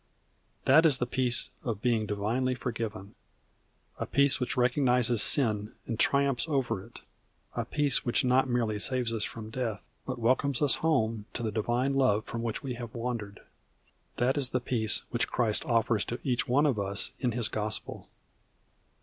That is the peace of being divinely forgiven, a peace which recognizes sin, and triumphs over it, a peace which not merely saves us from death but welcomes us home to the divine love from which we have wandered. That is the peace which Christ offers to each one of us in His Gospel.